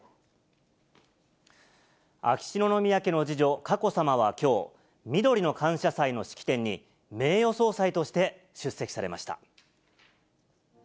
秋篠宮家の次女、佳子さまはきょう、みどりの感謝祭の式典に、名誉総裁として出席されました。